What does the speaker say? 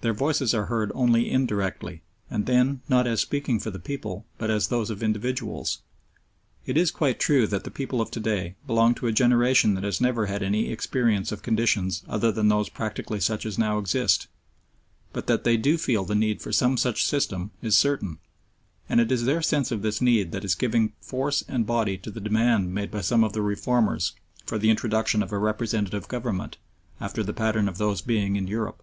Their voices are heard only indirectly, and then not as speaking for the people but as those of individuals. It is quite true that the people of to day belong to a generation that has never had any experience of conditions other than those practically such as now exist; but that they do feel the need for some such system is certain, and it is their sense of this need that is giving force and body to the demand made by some of the "reformers" for the introduction of a representative government, after the pattern of those in being in Europe.